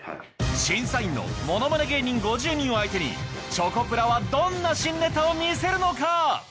審査員のものまね芸人５０人を相手にチョコプラはどんな新ネタを見せるのか？